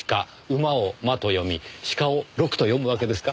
馬を「ま」と読み鹿を「ろく」と読むわけですか？